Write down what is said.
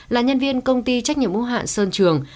là nhân viên công ty trách nhiệm mô hạn sơn trường